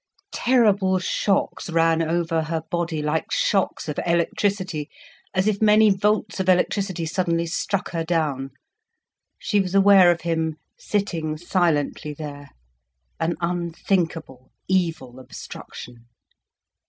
Terrible shocks ran over her body, like shocks of electricity, as if many volts of electricity suddenly struck her down. She was aware of him sitting silently there, an unthinkable evil obstruction.